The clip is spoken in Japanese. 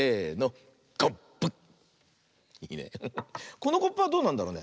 このコップはどうなんだろうね。